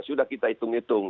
sudah kita hitung hitung